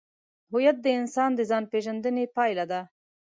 هویت د انسان د ځانپېژندنې پایله ده.